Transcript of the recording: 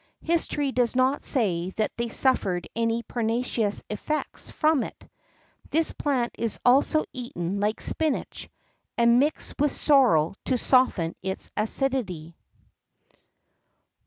History does not say that they suffered any pernicious effects from it. This plant is also eaten like spinach, and mixed with sorrel to soften its acidity.